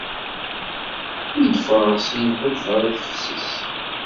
mi d-ffɣeɣ syen ḥulfaɣ i tefses.